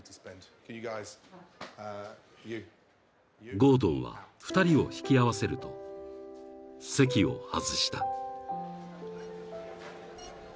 ・［ゴードンは２人を引き合わせると席を外した］